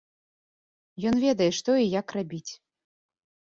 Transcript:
Ён ведае, што і як рабіць.